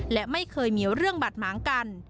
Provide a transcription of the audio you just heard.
และไม่เคยมีเรื่องบาดหมางกัน